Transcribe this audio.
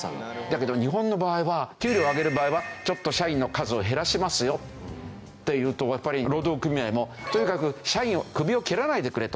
だけど日本の場合は給料を上げる場合は社員の数を減らしますよっていうとやっぱり労働組合もとにかく社員のクビを切らないでくれと。